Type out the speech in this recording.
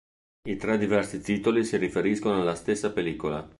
I tre diversi titoli si riferiscono alla stessa pellicola.